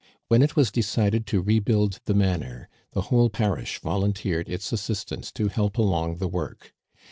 When it was decided to rebuild the manor, the whole parish volunteered its assistance to help along the work.